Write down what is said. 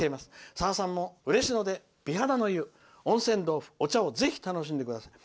さださんも嬉野で美肌の湯温泉豆腐、お茶をぜひ楽しんでください」。